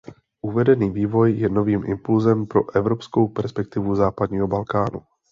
Uvedený vývoj je novým impulsem pro evropskou perspektivu západního Balkánu.